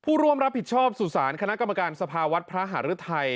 ผู้ร่วมรับผิดชอบสู่สารคณะกรรมการสภาวัดพระหารึทัย